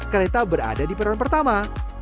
kereta berada di peron pertama